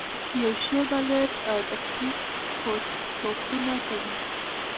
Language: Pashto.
یو ښه بالر دقیق توپونه کوي.